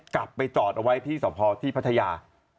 กลับไปจอดเอาไว้ที่สภที่พัทยา